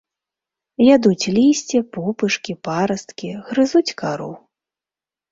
Ядуць лісце, пупышкі, парасткі, грызуць кару.